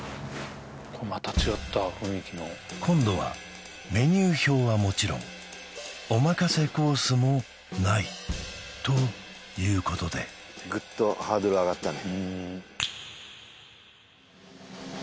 これまた違った雰囲気の今度はメニュー表はもちろんおまかせコースもないということでぐっとハードル上がったね